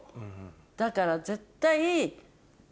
だから絶対。